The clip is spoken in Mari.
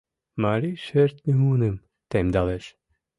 Марий шӧртньӧ муным темдалеш.